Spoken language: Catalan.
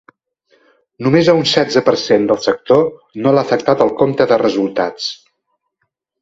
Només a un setze per cent del sector no l’ha afectat el compte de resultats.